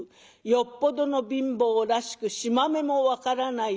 よっぽどの貧乏らしくしま目も分からない